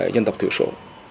nhân tộc thiểu số